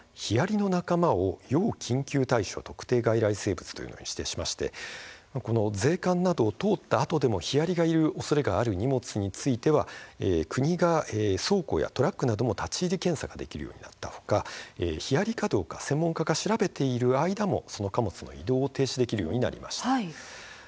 例えばヒアリの仲間を要緊急対処特定外来生物というものに指定して税関などを通ったあとでも移動おそれがある荷物については国がトラックや倉庫を立ち入り検査できるようになった他ヒアリがどうか専門家が調べている間も貨物の移動を止められるようになりました。